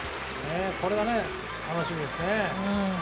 これは楽しみですね。